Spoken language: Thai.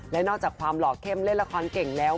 และนอกจากความหล่อเข้มเล่นละครเก่งแล้ว